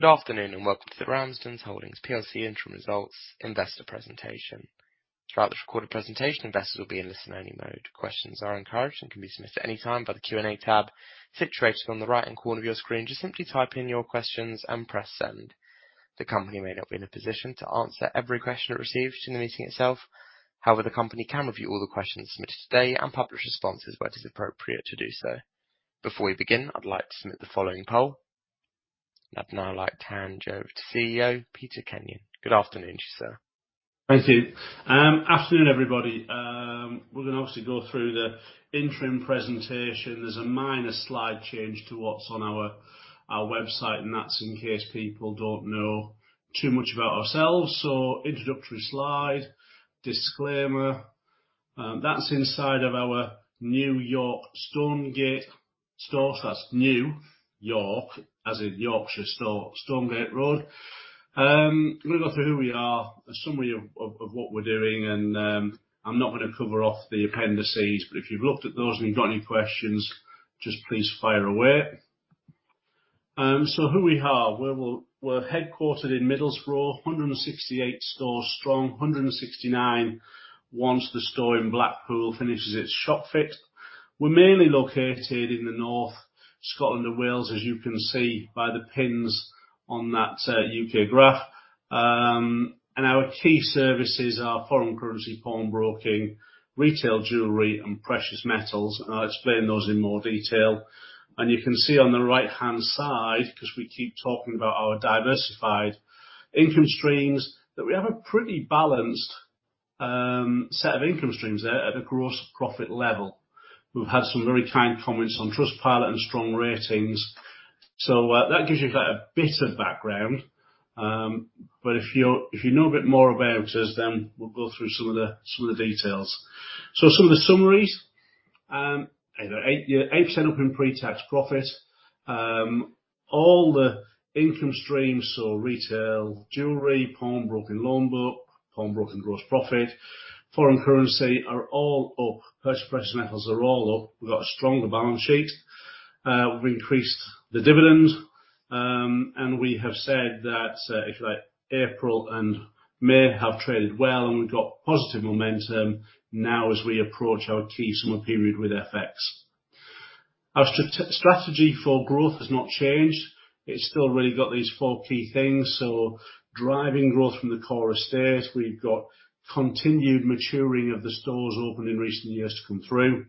Good afternoon, and welcome to the Ramsdens Holdings PLC Interim Results Investor Presentation. Throughout this recorded presentation, investors will be in listen only mode. Questions are encouraged and can be submitted at any time by the Q&A tab situated on the right-hand corner of your screen. Just simply type in your questions and press Send. The company may not be in a position to answer every question it receives in the meeting itself. However, the company can review all the questions submitted today and publish responses where it is appropriate to do so. Before we begin, I'd like to submit the following poll. I'd now like to hand over to CEO Peter Kenyon. Good afternoon to you, sir. Thank you. Afternoon, everybody. We're gonna obviously go through the interim presentation. There's a minor slide change to what's on our website, and that's in case people don't know too much about ourselves. Introductory slide, disclaimer, that's inside of our New York Stonegate store. That's New York, as in Yorkshire store, Stonegate Road. I'm gonna go through who we are, a summary of what we're doing, and I'm not gonna cover off the appendices. If you've looked at those and you've got any questions, just please fire away. Who we are. We're headquartered in Middlesbrough, 168 stores strong, 169 once the store in Blackpool finishes its shop fit. We're mainly located in the North, Scotland, and Wales, as you can see by the pins on that U.K. graph. Our key services are foreign currency, pawnbroking, retail jewelry, and precious metals. I'll explain those in more detail. You can see on the right-hand side, 'cause we keep talking about our diversified income streams, that we have a pretty balanced set of income streams there at a gross profit level. We've had some very kind comments on Trustpilot and strong ratings. That gives you a bit of background. If you know a bit more about us, then we'll go through some of the details. Some of the summaries, 8% up in pre-tax profit. All the income streams, retail, jewelry, pawnbroking loan book, pawnbroking gross profit, foreign currency are all up. Precious metals are all up. We've got a stronger balance sheet. We've increased the dividend. We have said that, if you like, April and May have traded well, and we've got positive momentum now as we approach our key summer period with FX. Our strategy for growth has not changed. It's still really got these four key things, so driving growth from the core estate. We've got continued maturing of the stores opened in recent years to come through.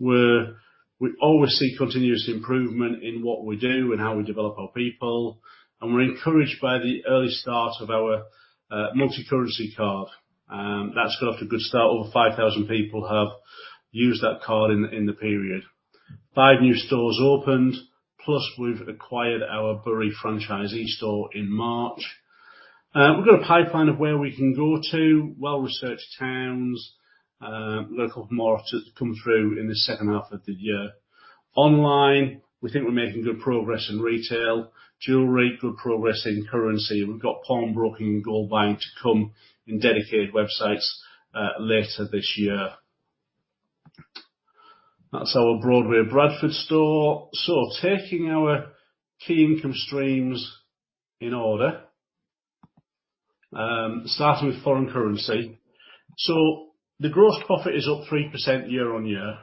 We always seek continuous improvement in what we do and how we develop our people. We're encouraged by the early start of our Multi Currency Card. That's got off to a good start. Over 5,000 people have used that card in the period. Five new stores opened, plus we've acquired our Bury franchise store in March. We've got a pipeline of where we can go to, well-researched towns, local marketers to come through in the second half of the year. Online, we think we're making good progress in retail. Jewelry, good progress in currency. We've got pawnbroking and gold buying to come in dedicated websites later this year. That's our Broadway Bradford store. Taking our key income streams in order, starting with foreign currency. The gross profit is up 3% year-on-year,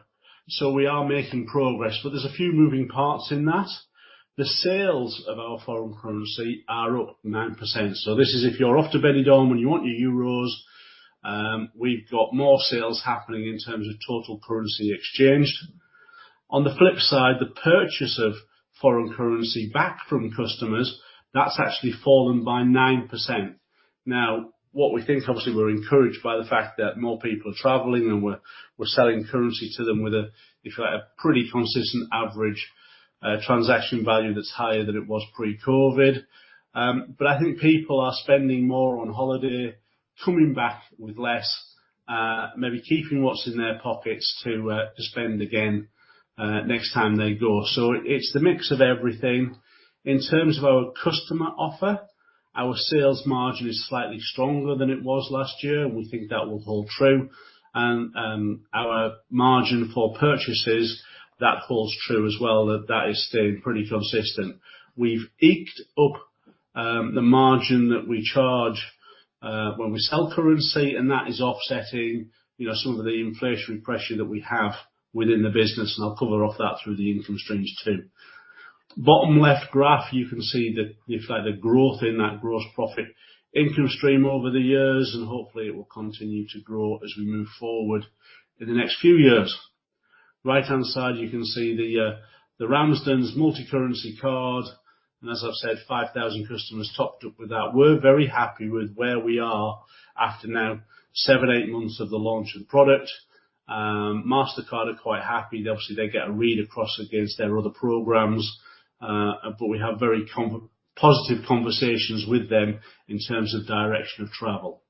so we are making progress. There's a few moving parts in that. The sales of our foreign currency are up 9%. This is if you're off to Benidorm and you want your euros, we've got more sales happening in terms of total currency exchanged. On the flip side, the purchase of foreign currency back from customers, that's actually fallen by 9%. Now, what we think, obviously, we're encouraged by the fact that more people are traveling and we're selling currency to them with a, if you like, a pretty consistent average transaction value that's higher than it was pre-COVID. I think people are spending more on holiday, coming back with less, maybe keeping what's in their pockets to spend again next time they go. It's the mix of everything. In terms of our customer offer, our sales margin is slightly stronger than it was last year. We think that will hold true. Our margin for purchases, that holds true as well, that is staying pretty consistent. We've edged up the margin that we charge when we sell currency, and that is offsetting, you know, some of the inflationary pressure that we have within the business, and I'll cover off that through the income streams too. Bottom left graph, you can see the, if you like, the growth in that gross profit income stream over the years. Hopefully it will continue to grow as we move forward in the next few years. Right-hand side, you can see the Ramsdens Multi Currency Card. As I've said, 5,000 customers topped up with that. We're very happy with where we are after now seven, eight months of the launch of the product. Mastercard are quite happy. Obviously, they get a read across against their other programs, but we have very positive conversations with them in terms of direction of travel.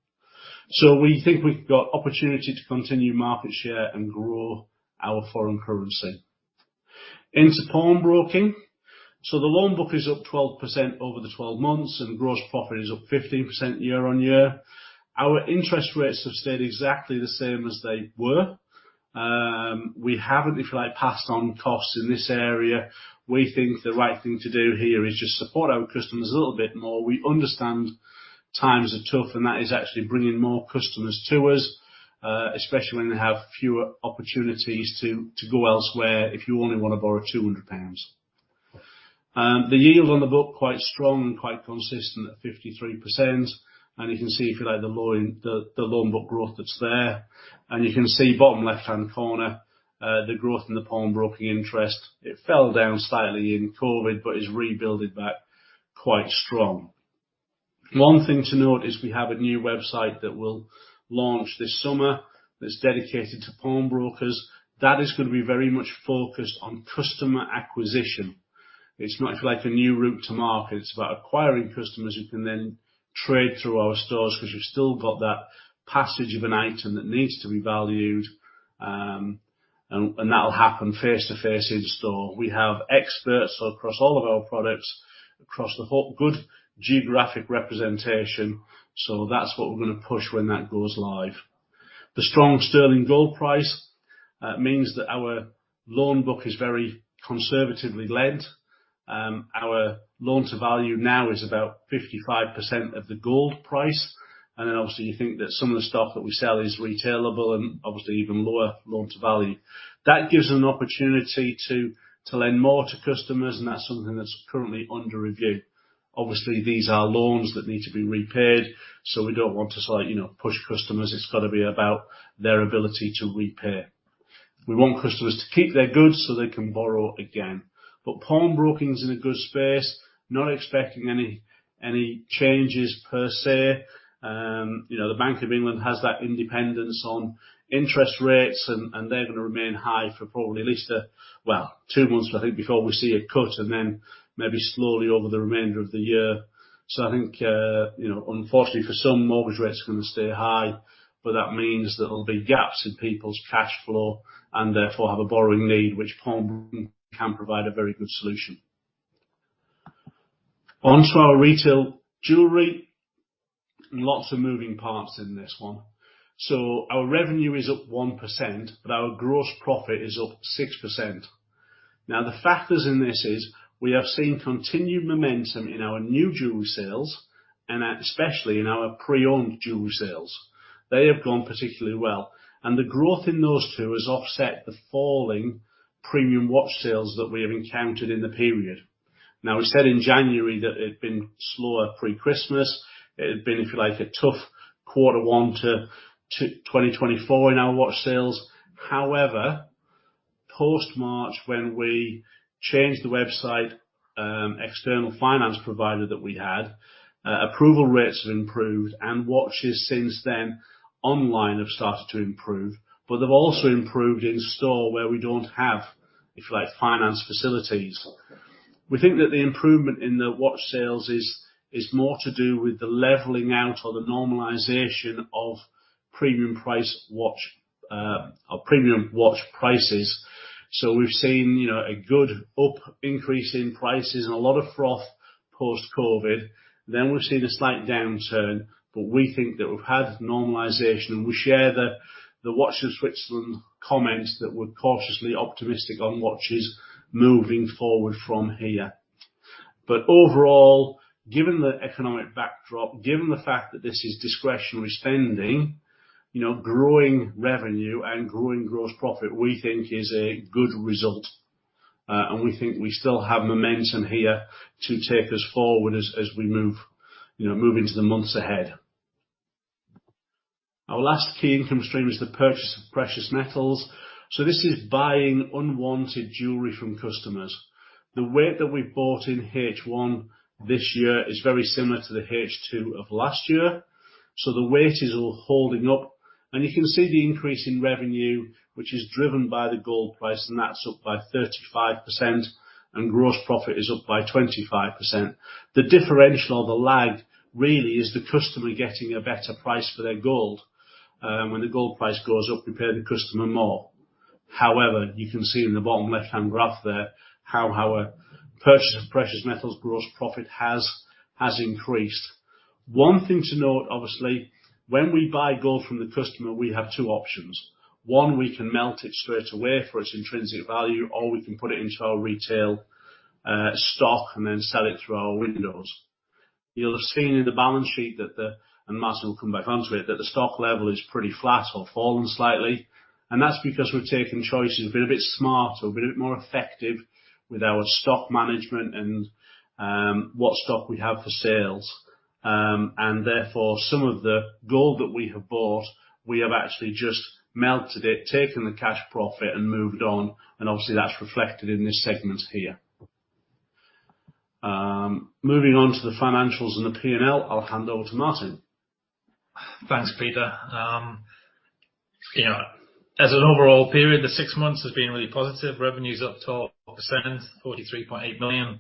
We think we've got opportunity to continue market share and grow our foreign currency. Into pawnbroking. The loan book is up 12% over the 12 months and gross profit is up 15% year-on-year. Our interest rates have stayed exactly the same as they were. We haven't, if you like, passed on costs in this area. We think the right thing to do here is just support our customers a little bit more. We understand times are tough, and that is actually bringing more customers to us, especially when they have fewer opportunities to go elsewhere if you only wanna borrow 200 pounds. The yield on the book quite strong and quite consistent at 53%. You can see if you like, the loan book growth that's there. You can see bottom left-hand corner, the growth in the pawnbroking interest. It fell down slightly in COVID, but is rebuilding back quite strong. One thing to note is we have a new website that will launch this summer that's dedicated to pawnbroking. That is gonna be very much focused on customer acquisition. It's much like a new route to market. It's about acquiring customers who can then trade through our stores 'cause you've still got that passage of an item that needs to be valued, and that'll happen face-to-face in store. We have experts across all of our products, across the whole good geographic representation, so that's what we're gonna push when that goes live. The strong sterling gold price means that our loan book is very conservatively lent. Our loan-to-value now is about 55% of the gold price. Obviously, you think that some of the stuff that we sell is retailable and obviously even lower loan-to-value. That gives an opportunity to lend more to customers, and that's something that's currently under review. Obviously, these are loans that need to be repaid, so we don't want to sort of, you know, push customers. It's gotta be about their ability to repay. We want customers to keep their goods so they can borrow again. But pawnbroking is in a good space, not expecting any changes per se. You know, the Bank of England has that independence on interest rates and they're gonna remain high for probably at least two months, I think, before we see a cut and then maybe slowly over the remainder of the year. I think, you know, unfortunately for some, mortgage rates are gonna stay high, but that means there'll be gaps in people's cash flow and therefore have a borrowing need, which pawnbroking can provide a very good solution. On to our retail jewelry, lots of moving parts in this one. Our revenue is up 1%, but our gross profit is up 6%. Now, the factors in this is we have seen continued momentum in our new jewelry sales and especially in our pre-owned jewelry sales. They have gone particularly well. And the growth in those two has offset the falling premium watch sales that we have encountered in the period. Now, we said in January that it had been slower pre-Christmas. It had been, if you like, a tough quarter one to 2024 in our watch sales. However, post-March, when we changed the website, external finance provider that we had, approval rates have improved and watches since then online have started to improve. They've also improved in-store where we don't have, if you like, finance facilities. We think that the improvement in the watch sales is more to do with the leveling out or the normalization of premium-priced watch or premium watch prices. We've seen, you know, a good uptick in prices and a lot of froth post-COVID. We've seen a slight downturn, but we think that we've had normalization, and we share the Watches of Switzerland comments that we're cautiously optimistic on watches moving forward from here. Overall, given the economic backdrop, given the fact that this is discretionary spending, you know, growing revenue and growing gross profit, we think is a good result. We think we still have momentum here to take us forward as we move, you know, into the months ahead. Our last key income stream is the purchase of precious metals. This is buying unwanted jewelry from customers. The weight that we bought in H1 this year is very similar to the H2 of last year. The weight is all holding up. You can see the increase in revenue, which is driven by the gold price, and that's up by 35%, and gross profit is up by 25%. The differential or the lag really is the customer getting a better price for their gold. When the gold price goes up, we pay the customer more. However, you can see in the bottom left-hand graph there how our purchase of precious metals gross profit has increased. One thing to note, obviously, when we buy gold from the customer, we have two options. One, we can melt it straight away for its intrinsic value, or we can put it into our retail stock and then sell it through our windows. You'll have seen in the balance sheet that the stock level is pretty flat or fallen slightly, and that's because we've taken choices. We've been a bit smarter, we've been a bit more effective with our stock management and what stock we have for sales. Therefore, some of the gold that we have bought, we have actually just melted it, taken the cash profit and moved on, and obviously that's reflected in this segment here. Moving on to the financials and the P&L, I'll hand over to Martin. Thanks, Peter. You know, as an overall period, the six months has been really positive. Revenue's up 12%, 43.8 million.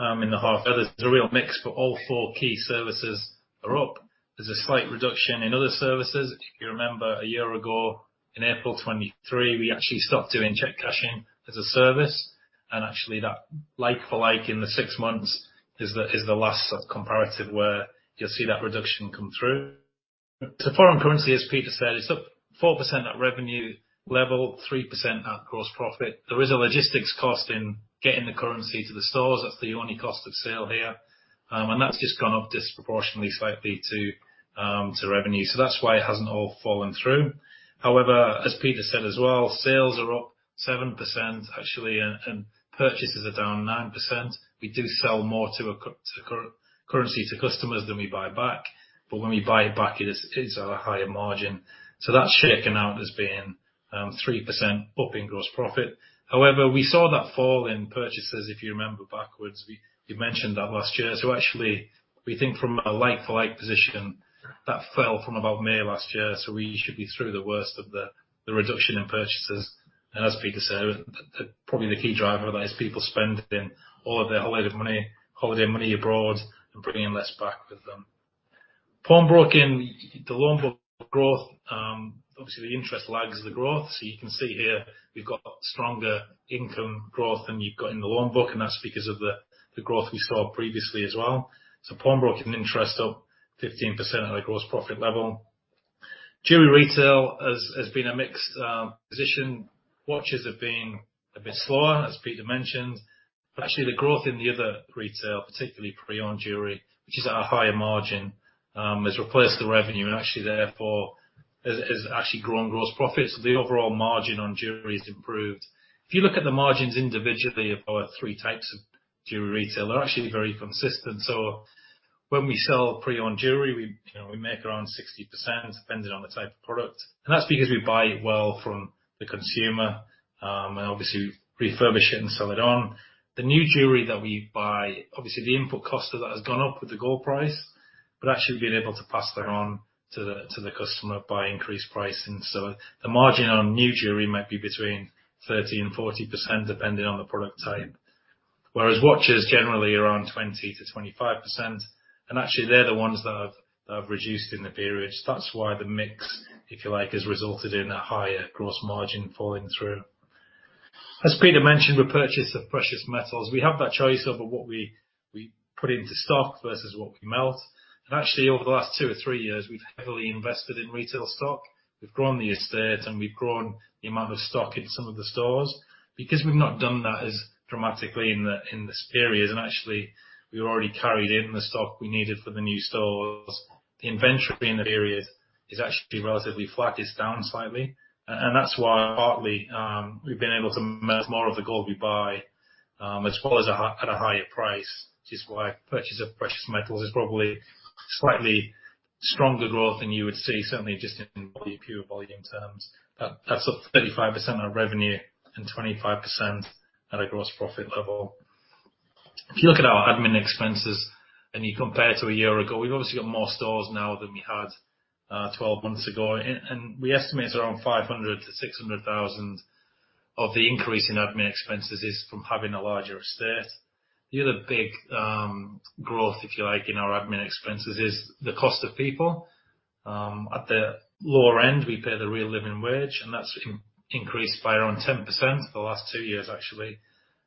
In the half. There's a real mix, but all four key services are up. There's a slight reduction in other services. If you remember a year ago, in April 2023, we actually stopped doing check cashing as a service, and actually that like-for-like in the six months is the last sort of comparative where you'll see that reduction come through. Foreign currency, as Peter said, it's up 4% at revenue level, 3% at gross profit. There is a logistics cost in getting the currency to the stores. That's the only cost of sale here. And that's just gone up disproportionately slightly to revenue. That's why it hasn't all fallen through. However, as Peter said as well, sales are up 7% actually, and purchases are down 9%. We do sell more currency to customers than we buy back. When we buy it back, it is at a higher margin. That's shaken out as being 3% up in gross profit. However, we saw that fall in purchases, if you remember back, we mentioned that last year. Actually, we think from a like-for-like position, that fell from about May of last year, so we should be through the worst of the reduction in purchases. As Peter said, that probably the key driver of that is people spending all of their holiday money abroad and bringing less back with them. Pawnbroking, the loan book growth, obviously the interest lags the growth. You can see here we've got stronger income growth than you've got in the loan book, and that's because of the growth we saw previously as well. Pawnbroking interest up 15% at a gross profit level. Jewelry retail has been a mixed position. Watches have been a bit slower, as Peter mentioned. Actually the growth in the other retail, particularly pre-owned jewelry, which is at a higher margin, has replaced the revenue and actually therefore has actually grown gross profit. The overall margin on jewelry is improved. If you look at the margins individually of our three types of jewelry retail, they're actually very consistent. When we sell pre-owned jewelry, you know, we make around 60%, depending on the type of product. That's because we buy it well from the consumer, and obviously refurbish it and sell it on. The new jewelry that we buy, obviously the input cost of that has gone up with the gold price, but actually we've been able to pass that on to the customer by increased pricing. The margin on new jewelry might be between 30% and 40%, depending on the product type. Whereas watches generally are around 20%-25%, and actually they're the ones that have reduced in the period. That's why the mix, if you like, has resulted in a higher gross margin falling through. As Peter mentioned, the purchase of precious metals, we have that choice over what we put into stock versus what we melt. Actually, over the last two or three years, we've heavily invested in retail stock. We've grown the estate, and we've grown the amount of stock in some of the stores. Because we've not done that as dramatically in this period, and actually we already carried in the stock we needed for the new stores, the inventory in the period is actually relatively flat. It's down slightly. That's why partly we've been able to melt more of the gold we buy, as well as at a higher price, which is why purchase of precious metals is probably slightly stronger growth than you would see certainly just in volume, pure volume terms. That's up 35% of revenue and 25% at a gross profit level. If you look at our admin expenses and you compare to a year ago, we've obviously got more stores now than we had 12 months ago. We estimate around 500,000-600,000 of the increase in admin expenses is from having a larger estate. The other big growth, if you like, in our admin expenses is the cost of people. At the lower end, we pay the real living wage, and that's increased by around 10% for the last two years, actually.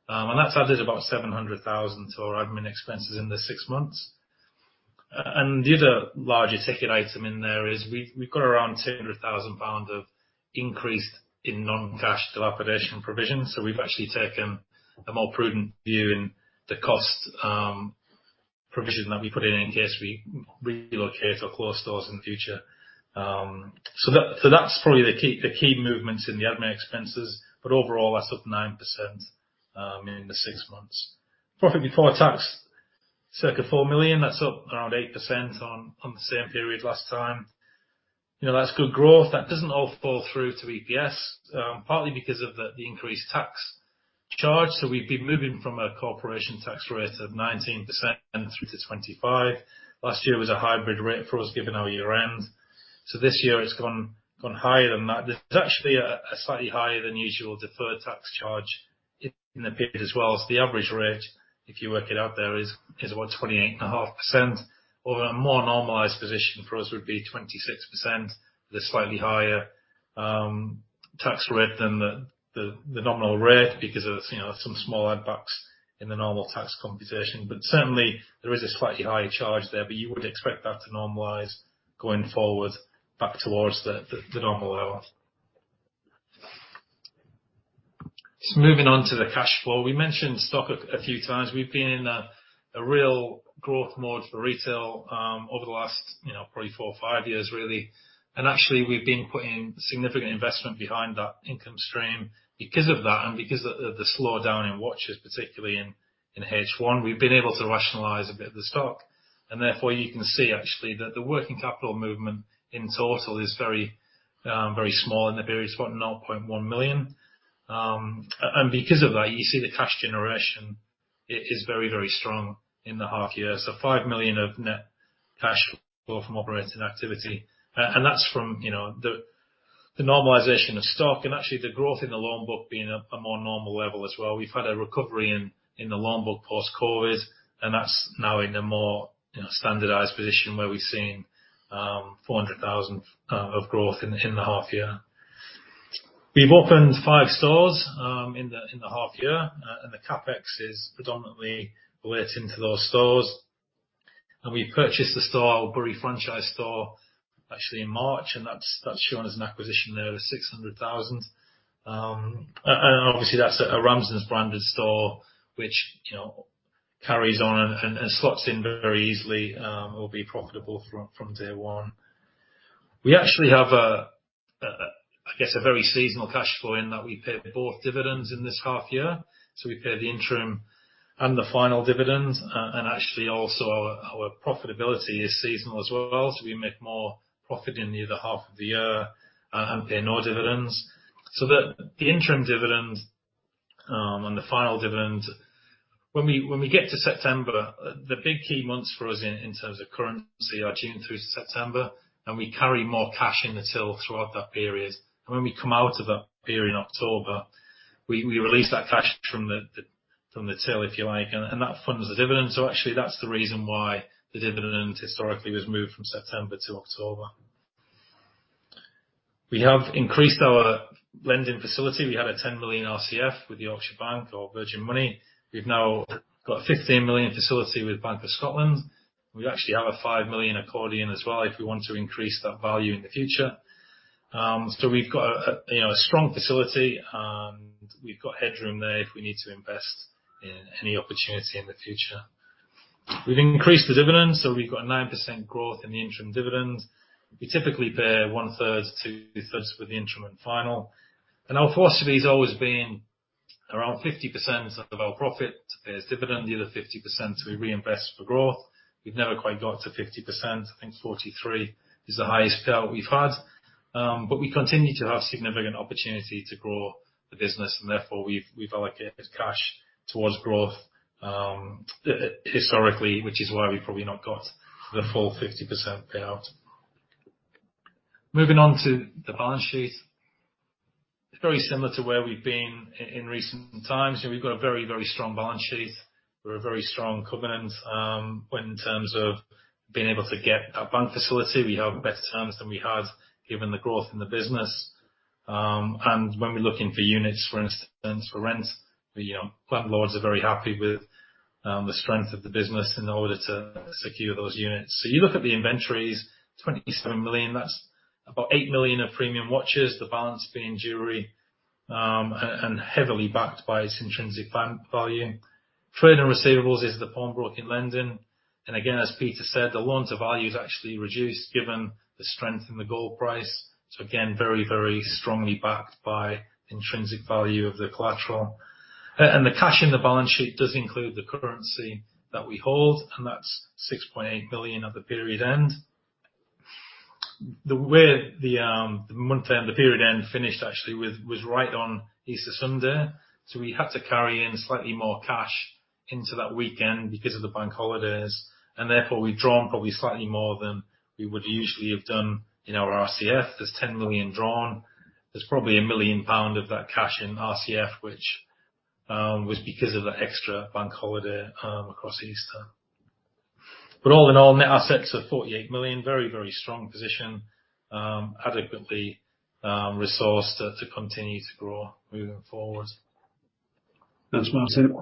That's added about 700,000 to our admin expenses in the six months. The other larger ticket item in there is we've got around 200,000 pounds of increase in non-cash dilapidation provision. We've actually taken a more prudent view in the cost provision that we put in in case we relocate or close stores in the future. That's probably the key movements in the admin expenses, but overall that's up 9% in the six months. Profit before tax, circa 4 million. That's up around 8% on the same period last time. You know, that's good growth. That doesn't all fall through to EPS, partly because of the increased tax charge. We've been moving from a corporation tax rate of 19% through to 25%. Last year was a hybrid rate for us, given our year end. This year it's gone higher than that. There's actually a slightly higher than usual deferred tax charge in the period as well, The average rate, if you work it out there, is about 28.5%, although a more normalized position for us would be 26% with a slightly higher tax rate than the nominal rate because of, you know, some small add backs in the normal tax computation. Certainly, there is a slightly higher charge there, but you would expect that to normalize going forward back towards the normal level. Moving on to the cash flow. We mentioned stock a few times. We've been in a real growth mode for retail over the last, you know, probably four or five years really. Actually, we've been putting significant investment behind that income stream. Because of that and because of the slowdown in watches, particularly in H1, we've been able to rationalize a bit of the stock. Therefore, you can see actually that the working capital movement in total is very, very small in the period, it's about[GBP 0.1 million]. And because of that, you see the cash generation is very, very strong in the half year. 5 million of net cash flow from operating activity. And that's from, you know, the normalization of stock and actually the growth in the loan book being a more normal level as well. We've had a recovery in the loan book post-COVID, and that's now in a more, you know, standardized position where we're seeing 400,000 of growth in the half year. We've opened five stores in the half year, and the CapEx is predominantly weighted into those stores. We purchased the store, our Bury franchise store, actually in March, and that's shown as an acquisition there of 600,000. Obviously that's a Ramsdens branded store which, you know, carries on and slots in very easily, will be profitable from day one. We actually have a, I guess, a very seasonal cashflow in that we paid both dividends in this half year, so we paid the interim and the final dividends. Actually also our profitability is seasonal as well, so we make more profit in the other half of the year and pay no dividends. The interim dividend and the final dividend, when we get to September, the big key months for us in terms of currency are June through September, and we carry more cash in the till throughout that period. When we come out of that period in October, we release that cash from the till, if you like, and that funds the dividend. Actually that's the reason why the dividend historically was moved from September to October. We have increased our lending facility. We had a 10 million RCF with Yorkshire Bank or Virgin Money. We've now got a 15 million facility with Bank of Scotland. We actually have a 5 million accordion as well if we want to increase that value in the future. We've got a you know, a strong facility, and we've got headroom there if we need to invest in any opportunity in the future. We've increased the dividends, so we've got a 9% growth in the interim dividend. We typically pay 1/3, 2/3 for the interim and final. Our philosophy has always been around 50% of our profit is dividend, the other 50% we reinvest for growth. We've never quite got to 50%. I think 43% is the highest payout we've had. We continue to have significant opportunity to grow the business and therefore we've allocated cash towards growth historically, which is why we've probably not got the full 50% payout. Moving on to the balance sheet. It's very similar to where we've been in recent times, and we've got a very, very strong balance sheet. We're a very strong covenant in terms of being able to get a bank facility. We have better terms than we had given the growth in the business. When we're looking for units, for instance, for rent, the landlords are very happy with the strength of the business in order to secure those units. You look at the inventories, 27 million, that's about 8 million of premium watches, the balance being jewelry, and heavily backed by its intrinsic value. Trade receivables is the pawnbroking lending. Again, as Peter said, the loan-to-value is actually reduced given the strength in the gold price. Again, very, very strongly backed by intrinsic value of the collateral. The cash in the balance sheet does include the currency that we hold, and that's 6.8 million at the period end. The way the month and the period end finished actually right on Easter Sunday, so we had to carry in slightly more cash into that weekend because of the bank holidays, and therefore, we've drawn probably slightly more than we would usually have done in our RCF. There's 10 million drawn. There's probably 1 million pound of that cash in RCF, which was because of the extra bank holiday across Easter. All in all, net assets of 48 million, very, very strong position, adequately resourced to continue to grow moving forward. Thanks, Martin.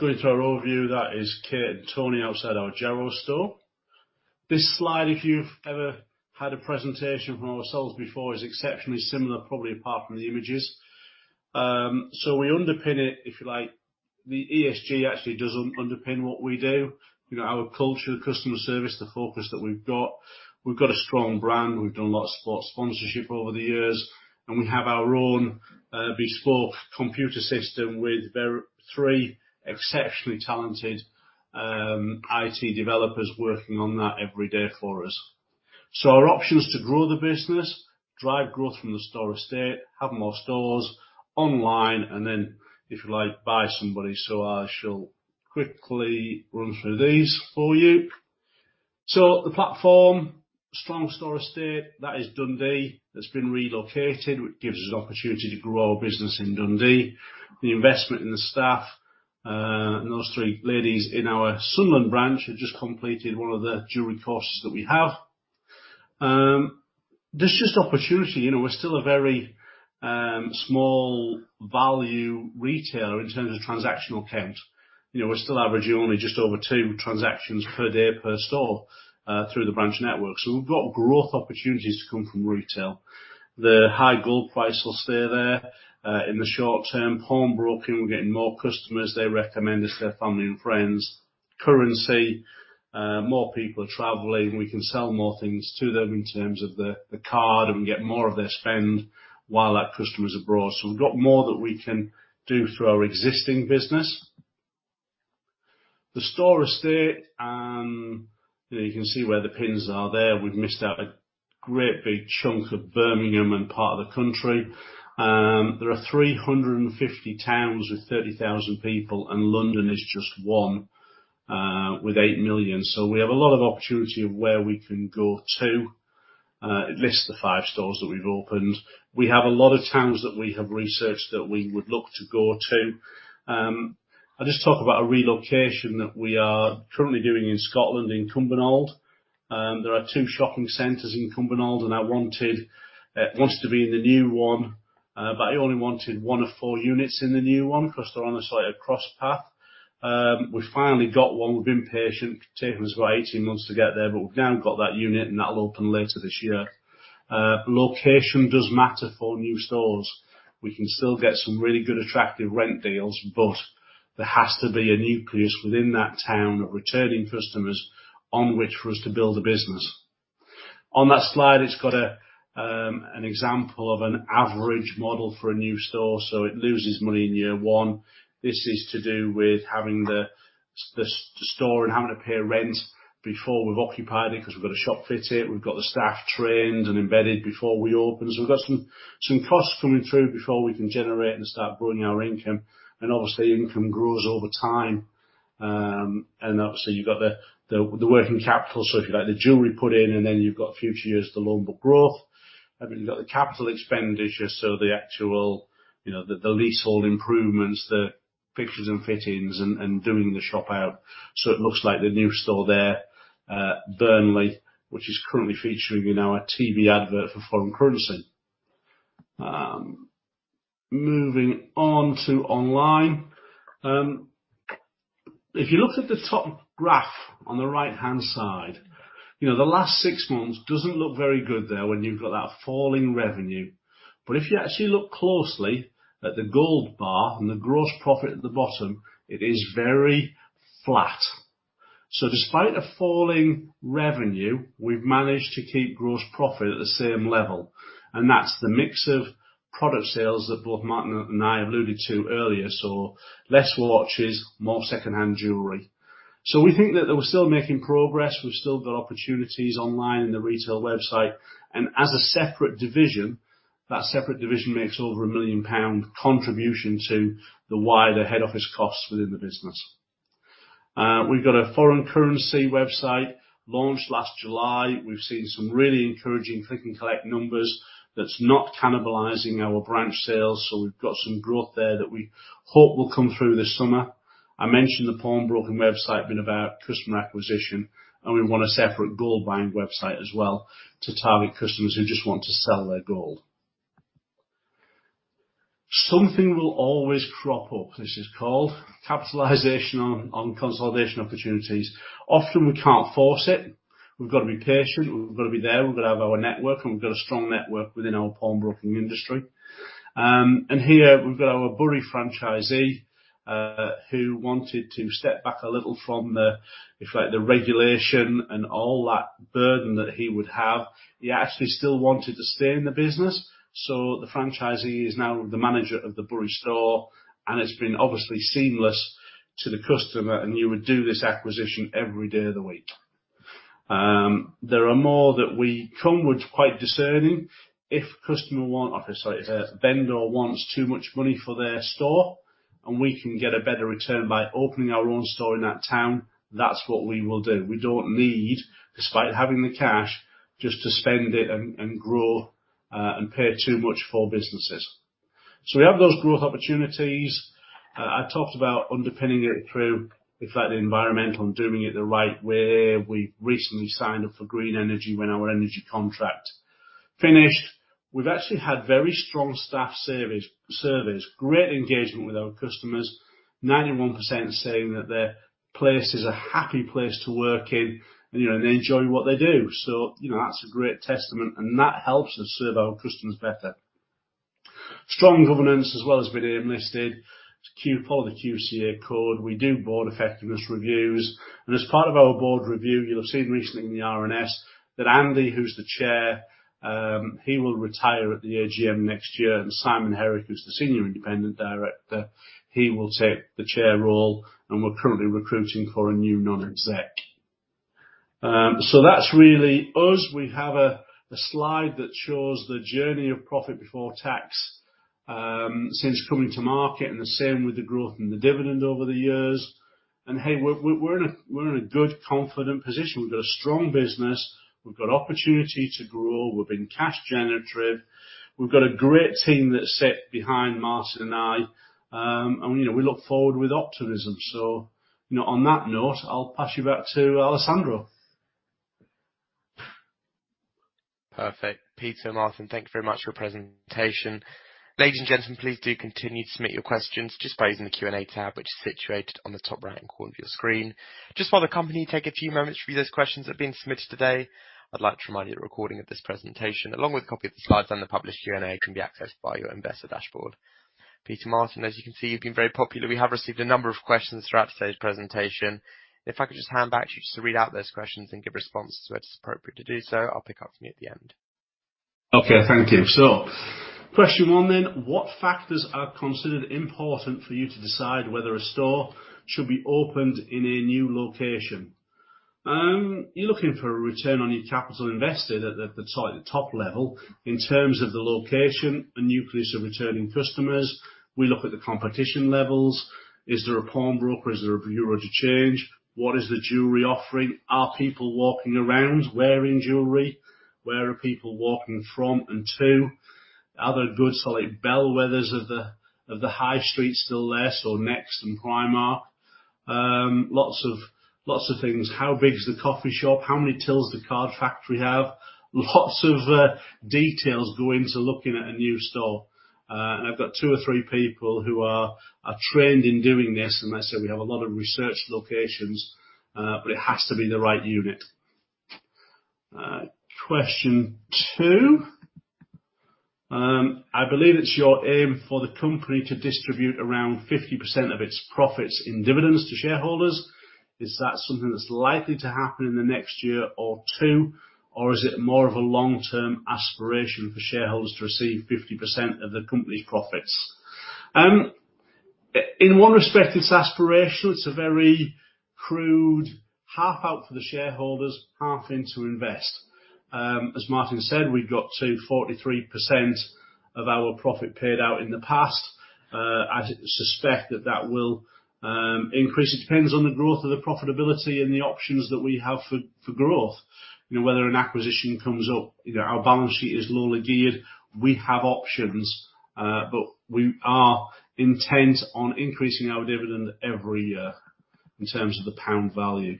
Going through our overview, that is Kate and Tony outside our Jarrow store. This slide, if you've ever had a presentation from ourselves before, is exceptionally similar, probably apart from the images. We underpin it, if you like. The ESG actually doesn't underpin what we do. You know, our culture, the customer service, the focus that we've got. We've got a strong brand. We've done lots of sport sponsorship over the years, and we have our own bespoke computer system with three exceptionally talented IT developers working on that every day for us. Our options to grow the business, drive growth from the store estate, have more stores, online, and then, if you like, buy somebody. I shall quickly run through these for you. The platform, strong store estate, that is Dundee. That's been relocated, which gives us an opportunity to grow our business in Dundee. The investment in the staff, and those three [ladies] in our Sunderland branch have just completed one of the jewelry courses that we have. There's just opportunity. You know, we're still a very small value retailer in terms of transactional count. You know, we're still averaging only just over two transactions per day per store through the branch network. We've got growth opportunities to come from retail. The high gold price will stay there in the short term. Pawnbroking, we're getting more customers. They recommend us to their family and friends. Currency, more people are traveling. We can sell more things to them in terms of the card and we get more of their spend while that customer's abroad. We've got more that we can do through our existing business. The store estate, you know, you can see where the pins are there. We've missed out a great big chunk of Birmingham and part of the country. There are 350 towns with 30,000 people, and London is just one, with 8 million. We have a lot of opportunity of where we can go to. It lists the five stores that we've opened. We have a lot of towns that we have researched that we would look to go to. I'll just talk about a relocation that we are currently doing in Scotland in Cumbernauld. There are two shopping centers in Cumbernauld, and I want to be in the new one, but I only wanted one of four units in the new one because they're on a slightly off cross path. We finally got one. We've been patient. It's taken us about 18 months to get there, but we've now got that unit, and that'll open later this year. Location does matter for new stores. We can still get some really good, attractive rent deals, but there has to be a nucleus within that town of returning customers on which for us to build a business. On that slide, it's got an example of an average model for a new store, so it loses money in year one. This is to do with having the store and having to pay rent before we've occupied it 'cause we've got to shop fit it, we've got the staff trained and embedded before we open. We've got some costs coming through before we can generate and start growing our income, and obviously, income grows over time. Obviously you've got the working capital, so if you like, the jewelry put in, and then you've got future years, the loan book growth. You've got the capital expenditure, so the actual, you know, the leasehold improvements, the fixtures and fittings and doing the shop out. It looks like the new store there, Burnley, which is currently featuring in our TV advert for foreign currency. Moving on to online. If you look at the top graph on the right-hand side, you know, the last six months doesn't look very good there when you've got that falling revenue. If you actually look closely at the gold bar and the gross profit at the bottom, it is very flat. Despite a falling revenue, we've managed to keep gross profit at the same level, and that's the mix of product sales that both Martin and I alluded to earlier. Less watches, more secondhand jewelry. We think that we're still making progress. We've still got opportunities online in the retail website. As a separate division, that separate division makes over 1 million pound contribution to the wider head office costs within the business. We've got a foreign currency website launched last July. We've seen some really encouraging click and collect numbers that's not cannibalizing our branch sales. We've got some growth there that we hope will come through this summer. I mentioned the pawnbroking website, been about customer acquisition, and we want a separate gold buying website as well to target customers who just want to sell their gold. Something will always crop up. This is called capitalization on consolidation opportunities. Often we can't force it. We've got to be patient. We've got to be there. We've got to have our network, and we've got a strong network within our pawnbroking industry. Here we've got our Bury franchisee, who wanted to step back a little from the, like, the regulation and all that burden that he would have. He actually still wanted to stay in the business, The franchisee is now the manager of the Bury store, and it's been obviously seamless to the customer, and you would do this acquisition every day of the week. There are more, but we are quite discerning. If a vendor wants too much money for their store and we can get a better return by opening our own store in that town, that's what we will do. We don't need, despite having the cash, just to spend it and grow and pay too much for businesses. We have those growth opportunities. I talked about underpinning it through, like, the environmental and doing it the right way. We recently signed up for green energy when our energy contract finished. We've actually had very strong staff service, great engagement with our customers. 91% saying that their place is a happy place to work in and, you know, and they enjoy what they do. You know, that's a great testament, and that helps us serve our customers better. Strong governance as well as being [AIM listed], QCA code. We do board effectiveness reviews. As part of our board review, you'll have seen recently in the RNS that Andy, who's the chair, he will retire at the AGM next year. Simon Herrick, who's the senior independent director, he will take the chair role, and we're currently recruiting for a new non-exec. That's really us. We have a slide that shows the journey of profit before tax since coming to market and the same with the growth in the dividend over the years. Hey, we're in a good, confident position. We've got a strong business. We've got opportunity to grow. We've been cash generative. We've got a great team that sit behind Martin and I. You know, we look forward with optimism. You know, on that note, I'll pass you back to Alessandro. Perfect. Peter, Martin, thank you very much for your presentation. Ladies and gentlemen, please do continue to submit your questions just by using the Q&A tab, which is situated on the top right-hand corner of your screen. Just while the company take a few moments to read those questions that are being submitted today, I'd like to remind you that a recording of this presentation, along with a copy of the slides and the published Q&A, can be accessed via your investor dashboard. Peter, Martin, as you can see, you've been very popular. We have received a number of questions throughout today's presentation. If I could just hand back to you just to read out those questions and give responses where it's appropriate to do so. I'll pick up from you at the end. Okay. Thank you. Question one then. What factors are considered important for you to decide whether a store should be opened in a new location? You're looking for a return on your capital invested at the top level. In terms of the location, a nucleus of returning customers. We look at the competition levels. Is there a pawnbroker? Is there a bureau de change? What is the jewelry offering? Are people walking around wearing jewelry? Where are people walking from and to? Are there good solid bellwethers of the high street still left, or Next and Primark? Lots of things. How big is the coffee shop? How many tills the Card Factory have? Lots of details go into looking at a new store. I've got two or three people who are trained in doing this, and I say we have a lot of research locations, but it has to be the right unit. Question two. I believe it's your aim for the company to distribute around 50% of its profits in dividends to shareholders. Is that something that's likely to happen in the next year or two? Or is it more of a long-term aspiration for shareholders to receive 50% of the company's profits? In one respect, it's aspirational. It's a very crude half out for the shareholders, half in to invest. As Martin said, we've got to 43% of our profit paid out in the past. I suspect that will increase. It depends on the growth of the profitability and the options that we have for growth. You know, whether an acquisition comes up. You know, our balance sheet is lowly geared. We have options, but we are intent on increasing our dividend every year in terms of the pound value.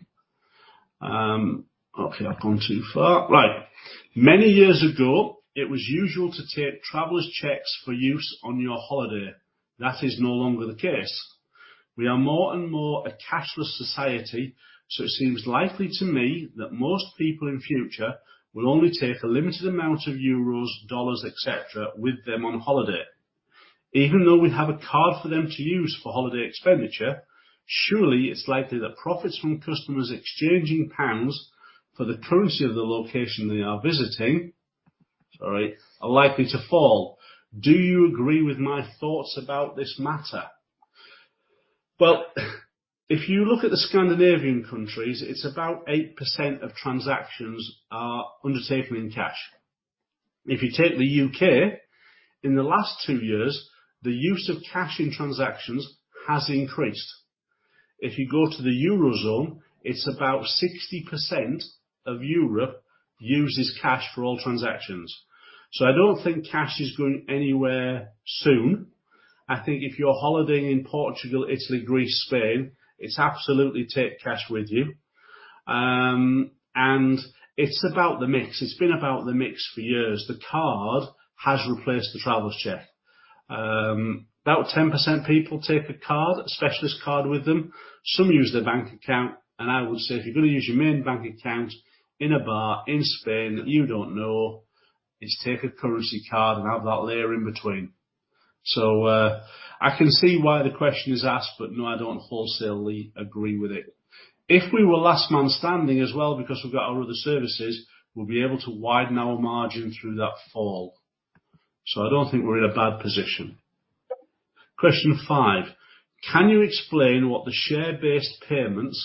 Many years ago, it was usual to take traveler's checks for use on your holiday. That is no longer the case. We are more and more a cashless society, so it seems likely to me that most people in future will only take a limited amount of euros, dollars, et cetera, with them on holiday. Even though we have a card for them to use for holiday expenditure, surely it's likely that profits from customers exchanging pounds for the currency of the location they are visiting, sorry, are likely to fall. Do you agree with my thoughts about this matter? Well, if you look at the Scandinavian countries, it's about 8% of transactions are undertaken in cash. If you take the U.K., in the last two years, the use of cash in transactions has increased. If you go to the Eurozone, it's about 60% of Europe uses cash for all transactions. I don't think cash is going anywhere soon. I think if you're holidaying in Portugal, Italy, Greece, Spain, it's absolutely take cash with you. It's about the mix. It's been about the mix for years. The card has replaced the traveler's check. About 10% people take a card, a specialist card with them. Some use their bank account, and I would say, if you're gonna use your main bank account in a bar in Spain that you don't know, is take a currency card and have that layer in between. I can see why the question is asked, but no, I don't wholly agree with it. If we were last man standing as well because we've got our other services, we'll be able to widen our margin through that fall. I don't think we're in a bad position. Question five: Can you explain what the share-based payments,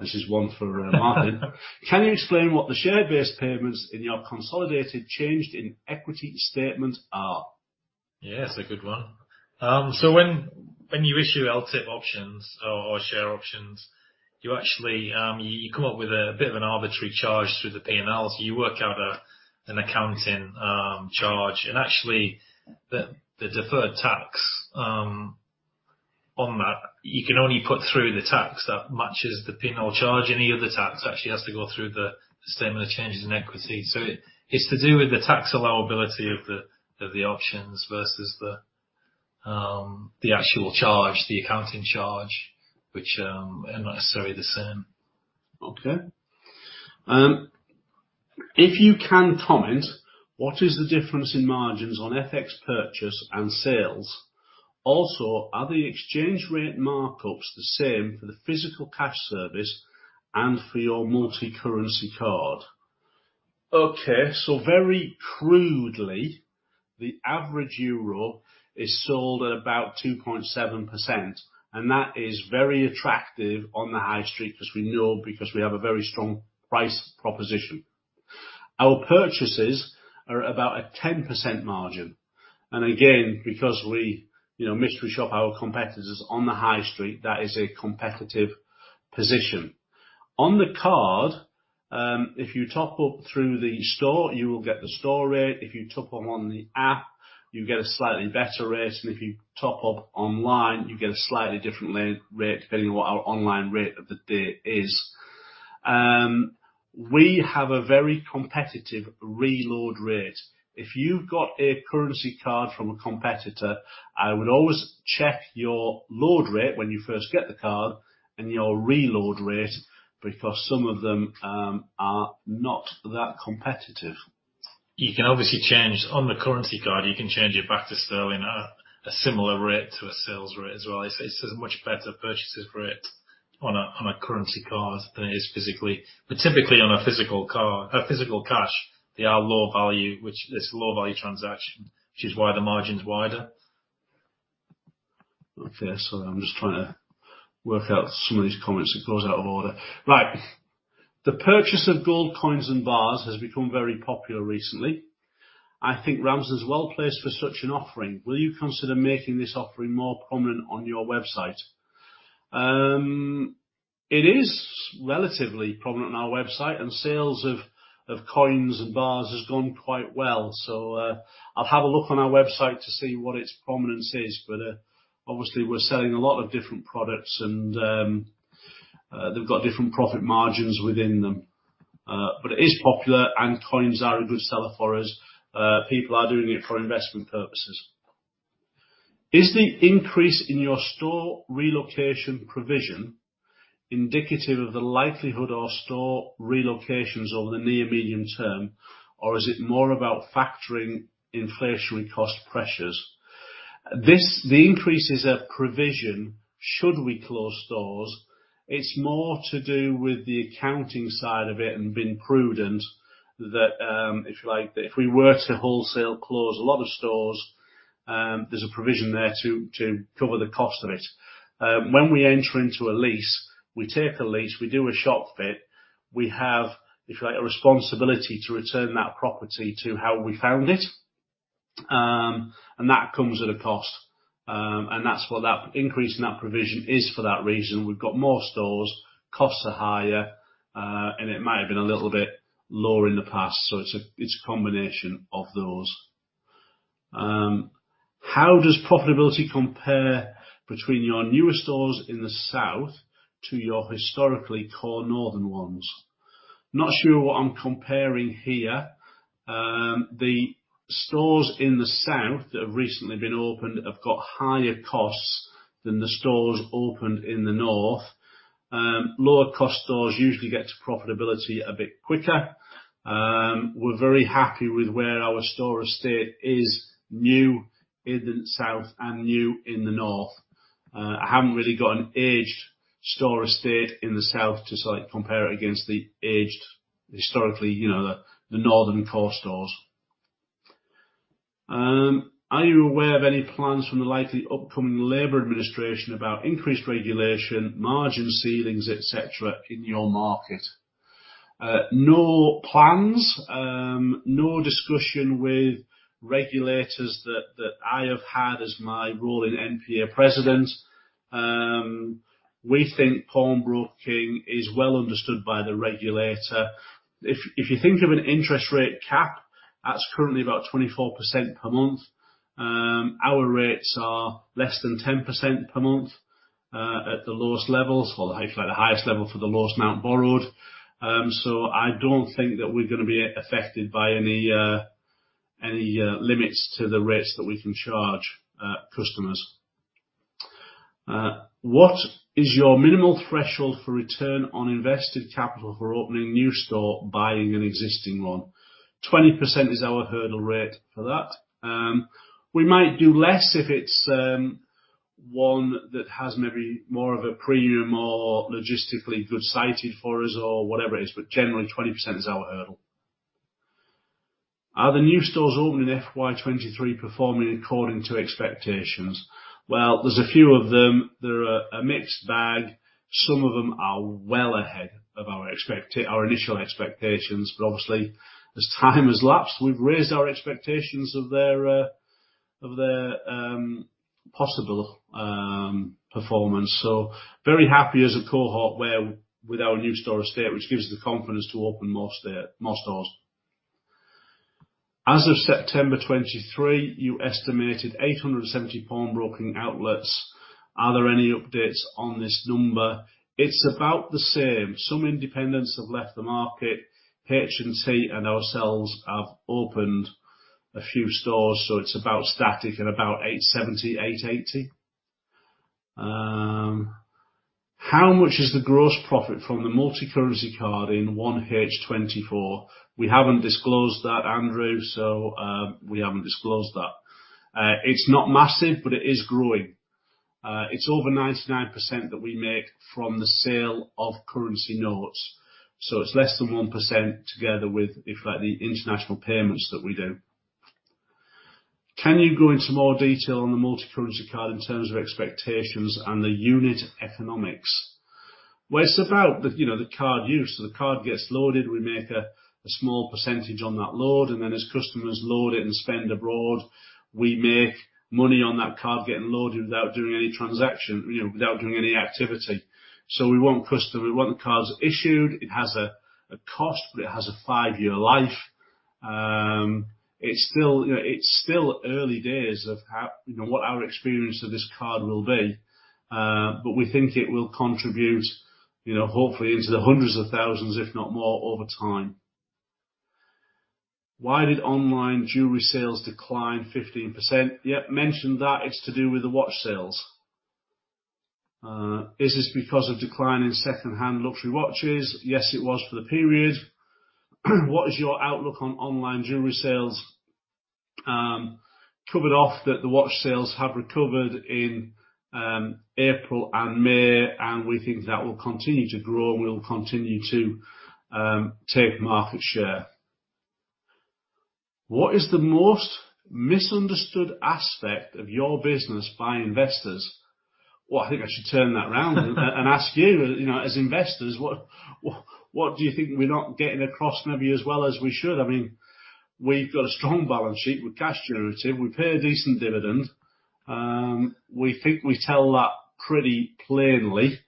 this is one for Martin. Can you explain what the share-based payments in your consolidated changes in equity statement are? Yes, a good one. When you issue LTIP options or share options, you actually come up with a bit of an arbitrary charge through the P&L. You work out an accounting charge. Actually, the deferred tax on that, you can only put through the tax that matches the P&L charge. Any other tax actually has to go through the statement of changes in equity. It is to do with the tax allowability of the options versus the actual charge, the accounting charge, which are not necessarily the same. If you can comment, what is the difference in margins on FX purchase and sales? Also, are the exchange rate markups the same for the physical cash service and for your Multi Currency Card? Okay, very crudely, the average euro is sold at about 2.7%, and that is very attractive on the high street, as we know, because we have a very strong price proposition. Our purchases are about a 10% margin. Again, because we, you know, mystery shop our competitors on the high street, that is a competitive position. On the card, if you top up through the store, you will get the store rate. If you top up on the app, you get a slightly better rate. If you top up online, you get a slightly different rate depending on what our online rate of the day is. We have a very competitive reload rate. If you've got a currency card from a competitor, I would always check your load rate when you first get the card and your reload rate, because some of them are not that competitive. You can obviously change. On the currency card, you can change it back to sterling at a similar rate to a sales rate as well. It's a much better purchase rate on a currency card than it is physically. But typically on a physical card, a physical cash, they are low value, which is low value transaction, which is why the margin's wider. Okay. I'm just trying to work out some of these comments. It goes out of order. Right. The purchase of gold coins and bars has become very popular recently. I think Ramsdens is well-placed for such an offering. Will you consider making this offering more prominent on your website? It is relatively prominent on our website, and sales of coins and bars has gone quite well. I'll have a look on our website to see what its prominence is. Obviously we're selling a lot of different products and they've got different profit margins within them. It is popular and coins are a good seller for us. People are doing it for investment purposes. Is the increase in your dilapidation provision indicative of the likelihood of store relocations over the near medium term, or is it more about factoring inflationary cost pressures? The increases in provision should we close stores. It's more to do with the accounting side of it and being prudent that, if you like, if we were to wholesale close a lot of stores, there's a provision there to cover the cost of it. When we enter into a lease, we take a lease, we do a shop fit. We have, if you like, a responsibility to return that property to how we found it, and that comes at a cost. That's what that increase in that provision is for that reason. We've got more stores, costs are higher, and it might have been a little bit lower in the past. It's a combination of those. How does profitability compare between your newer stores in the South to your historically core Northern ones? Not sure what I'm comparing here. The stores in the South that have recently been opened have got higher costs than the stores opened in the North. Lower cost stores usually get to profitability a bit quicker. We're very happy with where our store estate is new in the South and new in the North. I haven't really got an aged store estate in the South to like compare it against the aged historically, you know, the Northern core stores. Are you aware of any plans from the likely upcoming Labour administration about increased regulation, margin ceilings, et cetera, in your market? No plans. No discussion with regulators that I have had as my role as NPA President. We think pawnbroking is well understood by the regulator. If you think of an interest rate cap that's currently about 24% per month, our rates are less than 10% per month at the lowest levels. Well, if you like, the highest level for the lowest amount borrowed. I don't think that we're gonna be affected by any limits to the rates that we can charge customers. What is your minimal threshold for return on invested capital for opening a new store, buying an existing one? 20% is our hurdle rate for that. We might do less if it's one that has maybe more of a premium or logistically good sited for us or whatever it is, but generally 20% is our hurdle. Are the new stores opening in FY 2023 performing according to expectations? Well, there's a few of them. They're a mixed bag. Some of them are well ahead of our initial expectations, but obviously as time has lapsed, we've raised our expectations of their possible performance. Very happy as a cohort with our new store estate, which gives the confidence to open more stores. As of September 2023, you estimated 870 pawnbroking outlets. Are there any updates on this number? It's about the same. Some independents have left the market. H&T and ourselves have opened a few stores, so it's about static at about 870, 880. How much is the gross profit from the Multi Currency Card in H1 2024? We haven't disclosed that, Andrew, so we haven't disclosed that. It's not massive, but it is growing. It's over 99% that we make from the sale of currency notes, so it's less than 1% together with, if you like, the international payments that we do. Can you go into more detail on the Multi Currency Card in terms of expectations and the unit economics? Well, it's about the, you know, the card use. The card gets loaded, we make a small percentage on that load, and then as customers load it and spend abroad, we make money on that card getting loaded without doing any transaction, you know, without doing any activity. We want the cards issued. It has a cost, but it has a five-year life. It's still, you know, early days of how, you know, what our experience of this card will be, but we think it will contribute, you know, hopefully into hundreds of thousands, if not more, over time. Why did online jewelry sales decline 15%? Yeah, mentioned that it's to do with the watch sales. Is this because of decline in second-hand luxury watches? Yes, it was for the period. What is your outlook on online jewelry sales? Covered off that the watch sales have recovered in April and May, and we think that will continue to grow, and we'll continue to take market share. What is the most misunderstood aspect of your business by investors? Well, I think I should turn that around and ask you know, as investors, what do you think we're not getting across maybe as well as we should? I mean, we've got a strong balance sheet. We're cash generative. We pay a decent dividend. We think we sell that pretty plainly.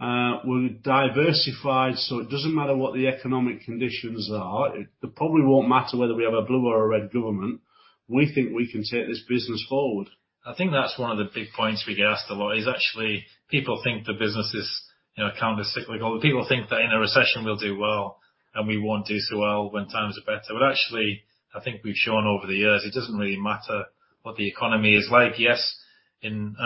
We're diversified, so it doesn't matter what the economic conditions are. It probably won't matter whether we have a blue or a red government. We think we can take this business forward. I think that's one of the big points we get asked a lot is actually people think the business is, you know, counter-cyclical. People think that in a recession we'll do well and we won't do so well when times are better. Actually, I think we've shown over the years it doesn't really matter what the economy is like. Yes, in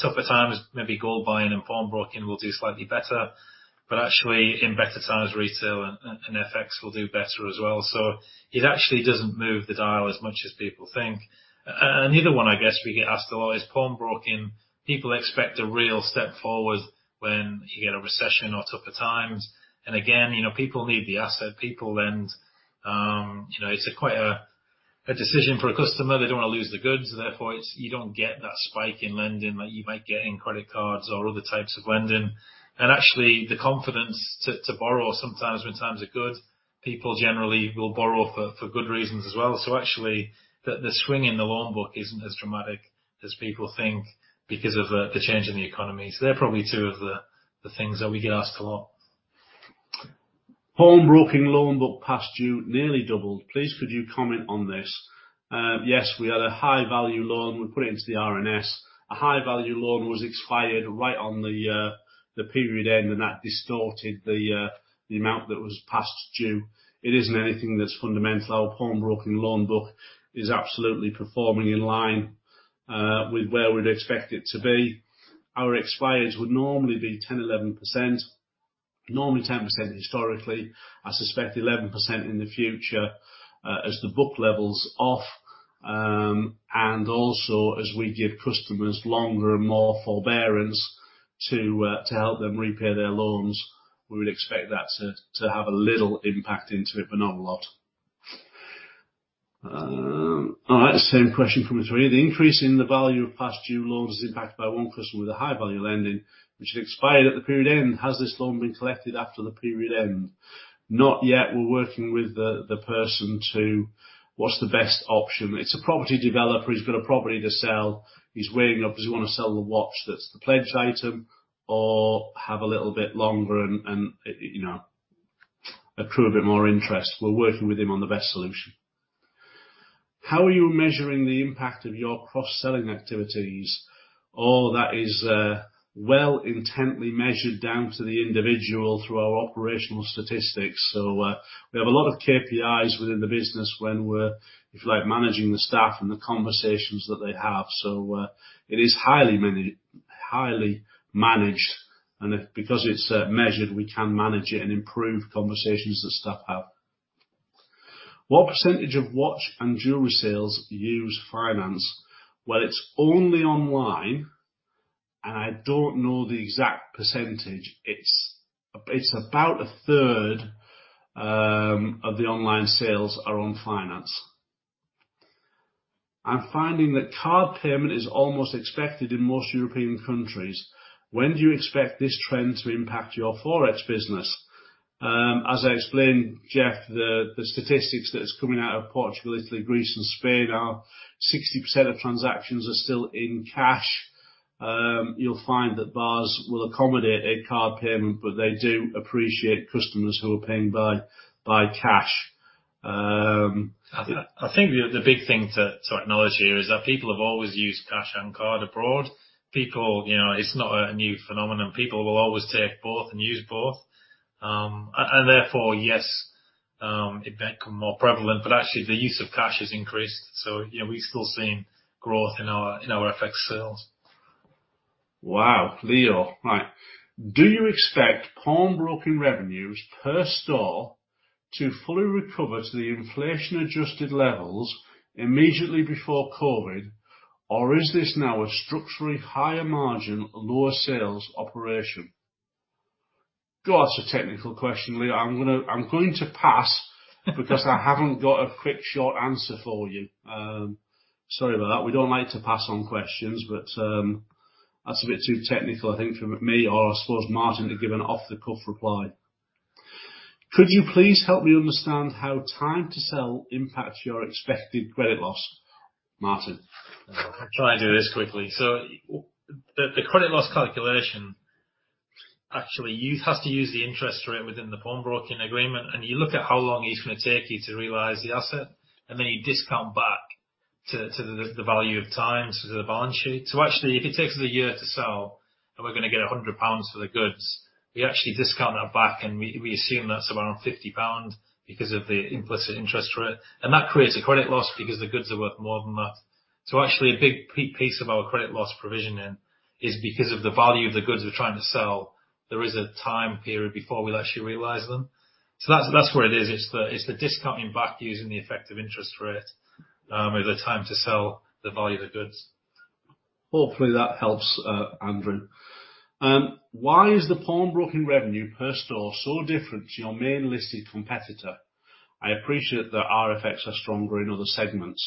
tougher times, maybe gold buying and pawnbroking will do slightly better. Actually, in better times, retail and FX will do better as well. It actually doesn't move the dial as much as people think. Another one I guess we get asked a lot is pawnbroking. People expect a real step forward when you get a recession or tougher times. Again, you know, people need the asset. People lend, you know, it's quite a decision for a customer. They don't want to lose the goods, therefore you don't get that spike in lending that you might get in credit cards or other types of lending. Actually, the confidence to borrow sometimes when times are good, people generally will borrow for good reasons as well. Actually, the swing in the loan book isn't as dramatic as people think because of the change in the economy. They're probably two of the things that we get asked a lot. Pawnbroking loan book past due nearly doubled. Please could you comment on this? Yes, we had a high value loan. We put it into the RNS. A high value loan expired right on the period end, and that distorted the amount that was past due. It isn't anything that's fundamental. Our pawnbroking loan book is absolutely performing in line with where we'd expect it to be. Our expires would normally be 10%, 11%. Normally 10% historically. I suspect 11% in the future, as the book levels off, and also as we give customers longer and more forbearance to help them repay their loans, we would expect that to have a little impact into it, but not a lot. All right, same question from three. The increase in the value of past due loans is impacted by one customer with a high value lending which had expired at the period end. Has this loan been collected after the period end? Not yet. We're working with the person to what's the best option. It's a property developer. He's got a property to sell. He's weighing up does he wanna sell the watch that's the pledge item or have a little bit longer and you know accrue a bit more interest. We're working with him on the best solution. How are you measuring the impact of your cross-selling activities? Oh, that is well intently measured down to the individual through our operational statistics. So we have a lot of KPIs within the business when we're if you like managing the staff and the conversations that they have. It is highly managed and because it's measured, we can manage it and improve conversations that staff have. What percentage of watch and jewelry sales use finance? Well, it's only online, and I don't know the exact percentage. It's about 1/3 of the online sales are on finance. I'm finding that card payment is almost expected in most European countries. When do you expect this trend to impact your Forex business? As I explained, Jeff, the statistics that's coming out of Portugal, Italy, Greece and Spain are 60% of transactions are still in cash. You'll find that bars will accommodate a card payment, but they do appreciate customers who are paying by cash. I think the big thing to acknowledge here is that people have always used cash and card abroad. People, you know, it's not a new phenomenon. People will always take both and use both. Therefore, yes, it may become more prevalent, but actually the use of cash has increased. You know, we're still seeing growth in our FX sales. Wow. Leo. Right. Do you expect pawnbroking revenues per store to fully recover to the inflation-adjusted levels immediately before COVID, or is this now a structurally higher margin, lower sales operation? God, that's a technical question, Leo. I'm going to pass because I haven't got a quick short answer for you. Sorry about that. We don't like to pass on questions, but that's a bit too technical I think for me or I suppose Martin to give an off-the-cuff reply. Could you please help me understand how time to sell impacts your expected credit loss? Martin. I'll try and do this quickly. The credit loss calculation, actually you have to use the interest rate within the pawnbroking agreement, and you look at how long it's gonna take you to realize the asset, and then you discount back to the value of time, so to the balance sheet. Actually, if it takes us a year to sell and we're gonna get 100 pounds for the goods, we actually discount that back and we assume that's around 50 pounds because of the implicit interest rate. That creates a credit loss because the goods are worth more than that. Actually, a big piece of our credit loss provision is because of the value of the goods we're trying to sell. There is a time period before we'll actually realize them. That's where it is. It's the discounting back using the effective interest rate over the time to sell the value of the goods. Hopefully that helps, Andrew. Why is the pawnbroking revenue per store so different to your main listed competitor? I appreciate that our efforts are stronger in other segments.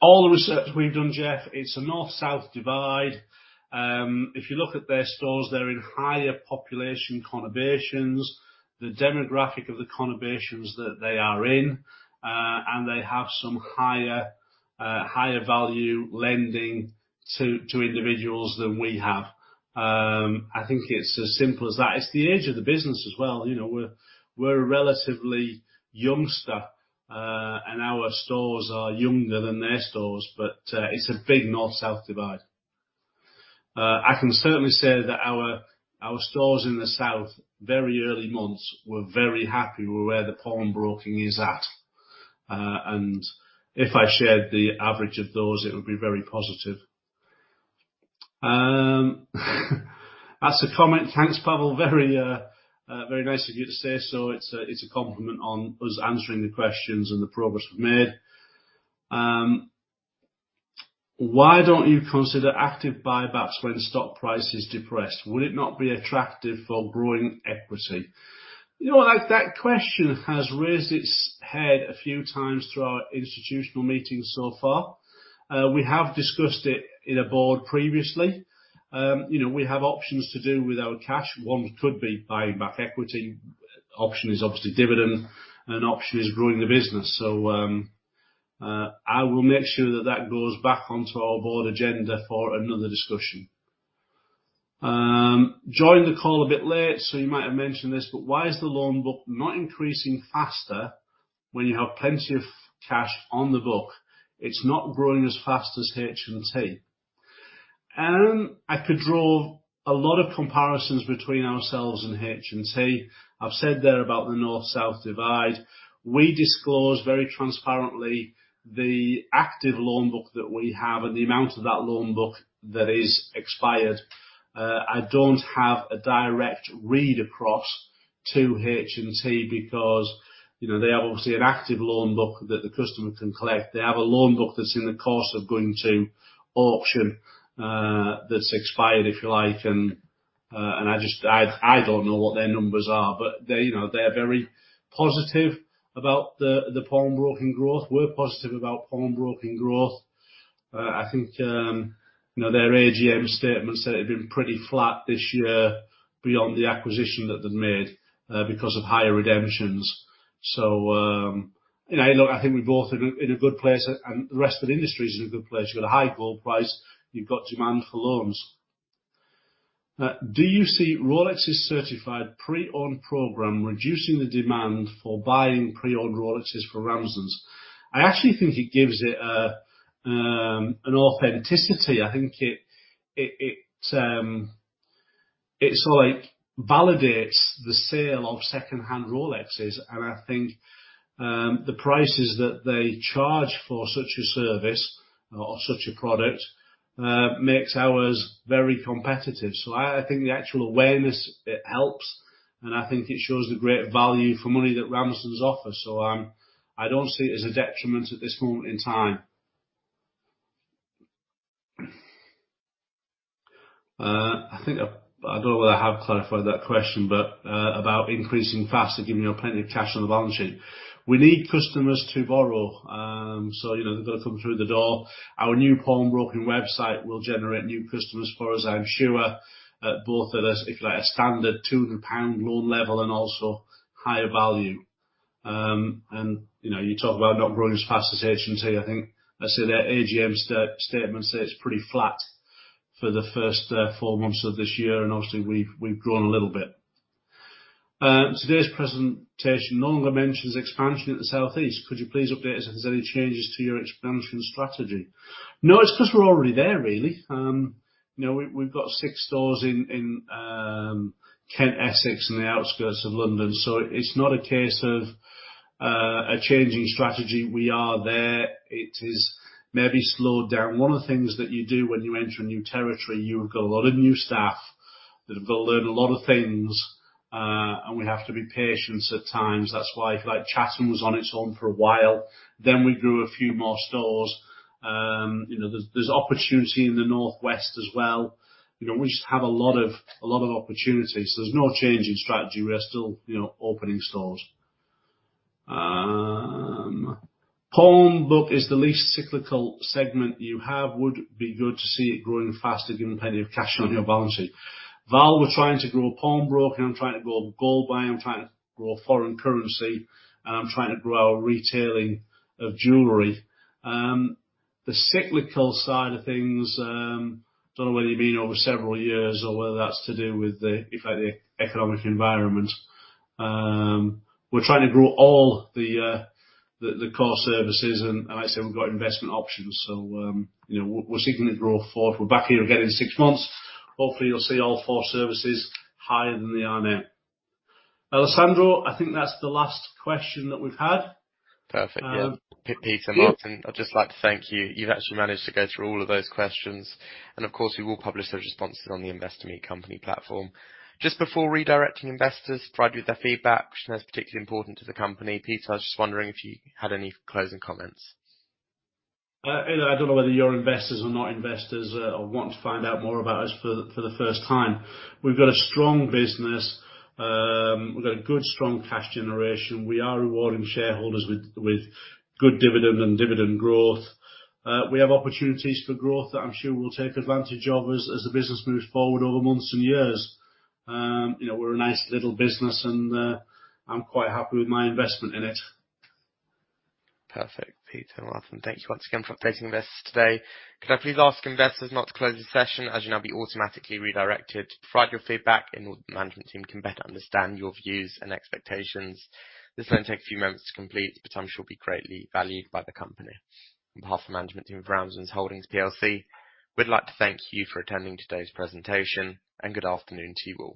All the research we've done, Jeff, it's a north-south divide. If you look at their stores, they're in higher population conurbations, the demographic of the conurbations that they are in, and they have some higher value lending to individuals than we have. I think it's as simple as that. It's the age of the business as well, you know. We're a relatively youngster and our stores are younger than their stores, but it's a big north-south divide. I can certainly say that our stores in the south very early months were very happy with where the pawnbroking is at. If I shared the average of those, it would be very positive. That's a comment. Thanks, Pavel. Very nice of you to say so. It's a compliment on us answering the questions and the progress we've made. Why don't you consider active buybacks when the stock price is depressed? Would it not be attractive for growing equity? You know what, that question has raised its head a few times through our institutional meetings so far. We have discussed it in a board previously. You know, we have options to do with our cash. One could be buying back equity. Option is obviously dividend, and an option is growing the business. I will make sure that goes back onto our board agenda for another discussion. Joined the call a bit late, so you might have mentioned this, but why is the loan book not increasing faster when you have plenty of cash on the book? It's not growing as fast as H&T. I could draw a lot of comparisons between ourselves and H&T. I've said there about the north-south divide. We disclose very transparently the active loan book that we have and the amount of that loan book that is expired. I don't have a direct read across to H&T because, you know, they have obviously an active loan book that the customer can collect. They have a loan book that's in the course of going to auction, that's expired, if you like, and I don't know what their numbers are, but they, you know, they are very positive about the pawnbroking growth. We're positive about pawnbroking growth. I think, you know, their AGM statement said it had been pretty flat this year beyond the acquisition that they'd made, because of higher redemptions. You know, look, I think we're both in a good place and the rest of the industry is in a good place. You got a high gold price, you've got demand for loans. Do you see Rolex's certified pre-owned program reducing the demand for buying pre-owned Rolexes for Ramsdens? I actually think it gives it an authenticity. I think it like validates the sale of second-hand Rolexes, and I think the prices that they charge for such a service or such a product makes ours very competitive. I think the actual awareness, it helps, and I think it shows the great value for money that Ramsdens offer. I don't see it as a detriment at this moment in time. I think I don't know whether I have clarified that question, but about increasing faster, giving you plenty of cash on the balance sheet. We need customers to borrow, so you know, they've got to come through the door. Our new pawnbroking website will generate new customers, as far as I'm sure, at both of those, if you like, a standard GBP 200 loan level and also higher value. You know, you talk about not growing as fast as H&T. I think I said their AGM statement says it's pretty flat for the first four months of this year, and obviously we've grown a little bit. Today's presentation no longer mentions expansion at the Southeast. Could you please update us if there's any changes to your expansion strategy? No, it's 'cause we're already there, really. You know, we've got six stores in Kent, Essex, and the outskirts of London, so it's not a case of a changing strategy. We are there. It has maybe slowed down. One of the things that you do when you enter a new territory, you've got a lot of new staff that have got to learn a lot of things, and we have to be patient at times. That's why, if you like, Chatham was on its own for a while, then we grew a few more stores. You know, there's opportunity in the Northwest as well. You know, we just have a lot of opportunities. There's no change in strategy. We are still, you know, opening stores. [Pawnbroking] is the least cyclical segment you have. Would be good to see it growing faster, giving plenty of cash on your balance sheet. While we're trying to grow pawnbroking, I'm trying to grow gold buying, I'm trying to grow foreign currency, and I'm trying to grow our retailing of jewelry. The cyclical side of things, I don't know whether you mean over several years or whether that's to do with the, if like, the economic environment. We're trying to grow all the core services and, like I said, we've got investment options. You know, we're seeking to grow forward. We're back here again in six months. Hopefully, you'll see all four services higher than they are now. Alessandro, I think that's the last question that we've had. Perfect. Yeah. Peter, Martin, I'd just like to thank you. You've actually managed to go through all of those questions, and of course, we will publish those responses on the Investor Meet Company platform. Just before redirecting investors provide you with their feedback, which is particularly important to the company. Peter, I was just wondering if you had any closing comments. I don't know whether you're investors or not investors or want to find out more about us for the first time. We've got a strong business. We've got a good, strong cash generation. We are rewarding shareholders with good dividend and dividend growth. We have opportunities for growth that I'm sure we'll take advantage of as the business moves forward over months and years. You know, we're a nice little business and I'm quite happy with my investment in it. Perfect. Peter, Martin, thank you once again for updating investors today. Could I please ask investors not to close the session, as you'll now be automatically redirected to provide your feedback, and all the management team can better understand your views and expectations? This may take a few moments to complete, but I'm sure it'll be greatly valued by the company. On behalf of management team of Ramsdens Holdings PLC, we'd like to thank you for attending today's presentation, and good afternoon to you all.